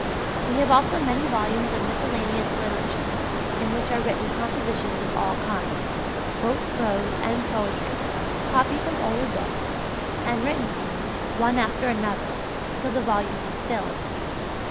We have also many volumes of Miscellaneous Literature in which are written compositions of all kinds, both prose and poetry, copied from older books, and written in, one after another, till the volume was filled.